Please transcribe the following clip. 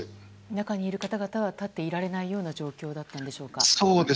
中にいる方々は立っていられないような状況だったんでしょうか。